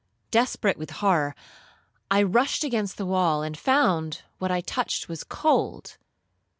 Desperate with horror, I rushed against the wall, and found what I touched was cold.